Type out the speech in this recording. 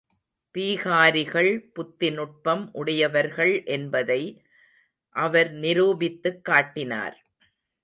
பீகாரிகள் புத்தி நுட்பம் உடையவர்கள் என்பதை அவர் நிரூபித்துக் காட்டினார்.